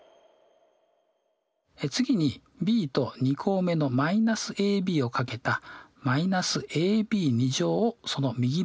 次にｂと２項目の−ａｂを掛けた−ａｂをその右隣に。